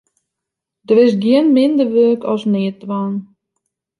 Der is gjin minder wurk as neatdwaan.